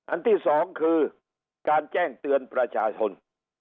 ที่สองคือการแจ้งเตือนประชาชน